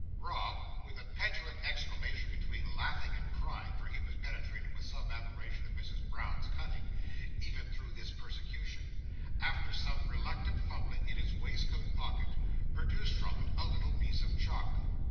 Rob, with a petulant exclamation between laughing and crying—for he was penetrated with some admiration of Mrs Brown's cunning, even through this persecution—after some reluctant fumbling in his waistcoat pocket, produced from it a little piece of chalk.